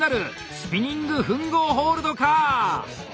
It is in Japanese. スピニング吻合ホールドか！